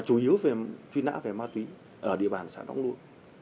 chủ yếu chuyên án về ma túy ở địa bản xã đông lua